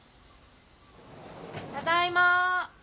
ただいま。